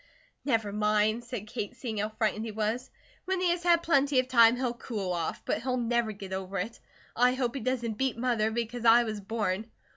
"Never mind," said Kate, seeing how frightened he was. "When he has had plenty of time he'll cool off; but he'll never get over it. I hope he doesn't beat Mother, because I was born."